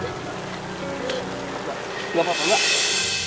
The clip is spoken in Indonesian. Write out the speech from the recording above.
kenapa lo punya kemah karena siap siap